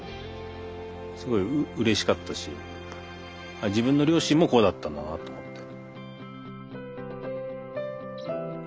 すごいうれしかったし自分の両親もこうだったんだなと思って。